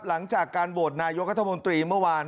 หลังจากการโหวตนายกรัฐมนตรีเมื่อวาน